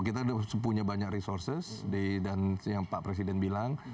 kita sudah punya banyak resources dan yang pak presiden bilang